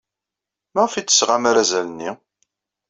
Maɣef ay d-tesɣam arazal-nni?